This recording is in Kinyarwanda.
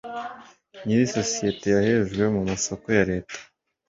nyir isosiyete yahejwe mu masoko ya Leta